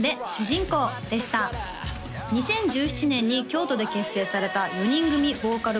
２０１７年に京都で結成された４人組ボーカル